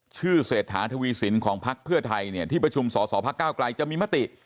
ชื่อเสร็จฐานทวีสินของภักดิ์เพื่อไทยเนี่ยที่ประชุมสอภักดิ์ก้าวกลายจะมีมติ